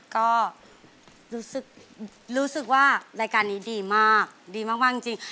ก็รู้สึกว่ารายการนี้ดีมากดีมากจริง